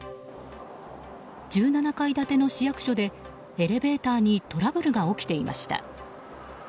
１７階建ての市役所でエレベーターにトラブルが起きていました。